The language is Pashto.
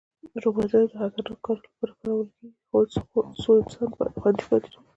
روباټونه د خطرناکو کارونو لپاره کارول کېږي، څو انسان خوندي پاتې شي.